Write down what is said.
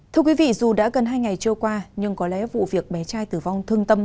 thưa quý vị dù đã gần hai ngày trôi qua nhưng có lẽ vụ việc bé trai tử vong thương tâm